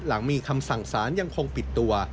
หลังมีคำสั่งสารยังคงปิดตัว